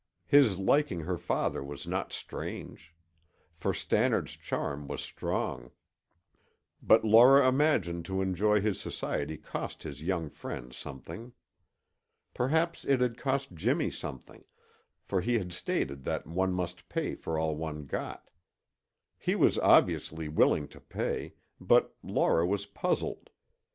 His liking her father was not strange, for Stannard's charm was strong, but Laura imagined to enjoy his society cost his young friends something. Perhaps it had cost Jimmy something, for he had stated that one must pay for all one got. He was obviously willing to pay, but Laura was puzzled.